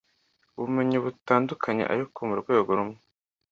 ubumenyi butandukanye ariko mu rwego rumwe